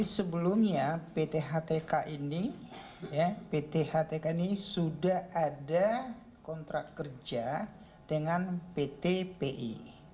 sebelumnya pt htk ini sudah ada kontrak kerja dengan pt pi